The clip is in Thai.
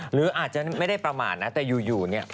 หรืออาจจะไม่ได้ประมาทนะแต่อยู่เนี่ย